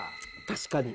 確かに。